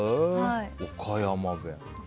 岡山弁。